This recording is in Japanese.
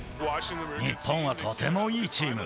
日本はとてもいいチーム。